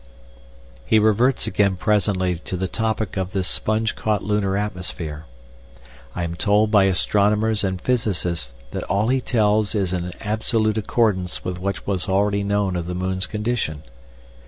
He reverts again presently to the topic of this sponge caught lunar atmosphere. I am told by astronomers and physicists that all he tells is in absolute accordance with what was already known of the moon's condition.